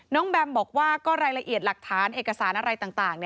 แบมบอกว่าก็รายละเอียดหลักฐานเอกสารอะไรต่าง